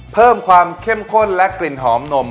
เพิ่มความเข้มข้นและกลิ่นหอมนม